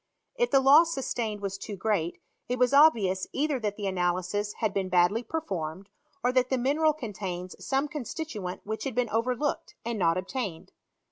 If the loss sustained was too great, it was obvious either that the analysis had been badly performed, or that the mineral contains some constituent which had been overlooked, and not obtained.